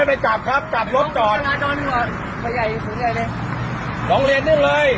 ลำรถมารอดได้ไงเออน้ำลวดทัยพี่น้องทำวทัย